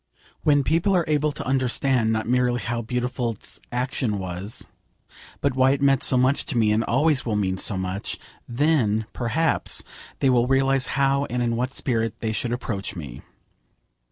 When people are able to understand, not merely how beautiful 's action was, but why it meant so much to me, and always will mean so much, then, perhaps, they will realise how and in what spirit they should approach me.